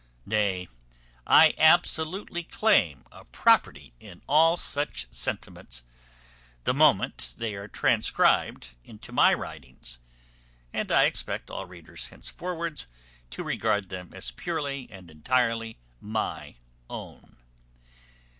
Nay, I absolutely claim a property in all such sentiments the moment they are transcribed into my writings, and I expect all readers henceforwards to regard them as purely and entirely my own.